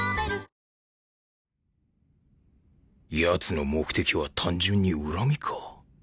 やつの目的は単純に恨みか？